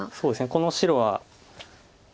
この白は。